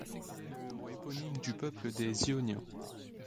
Il est le héros éponyme du peuple des Ioniens.